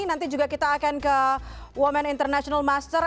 nanti juga kita akan ke women international master